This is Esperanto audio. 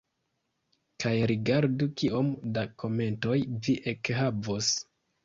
Kaj rigardu kiom da komentoj vi ekhavos.